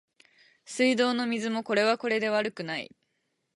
水道の水もこれはこれで悪くない